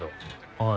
はい。